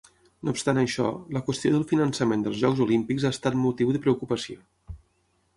No obstant això, la qüestió del finançament dels Jocs Olímpics ha estat motiu de preocupació.